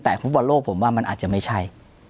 แต่คุณผู้บ่นโลกผมว่ามันอาจจะไม่ใช่